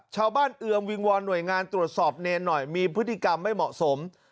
เอือมวิงวอนหน่วยงานตรวจสอบเนรหน่อยมีพฤติกรรมไม่เหมาะสม